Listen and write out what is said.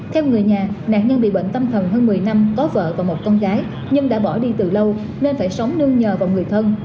theo người nhà nạn nhân bị bệnh tâm thần hơn một mươi năm có vợ và một con gái nhưng đã bỏ đi từ lâu nên phải sống nương nhờ vào người thân